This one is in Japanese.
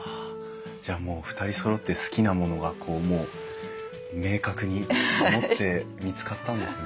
じゃあもう２人そろって好きなものがこうもう明確に見つかったんですね。